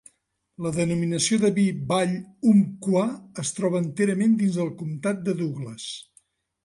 La denominació del vi Vall Umpqua es troba enterament dins del Comtat de Douglas.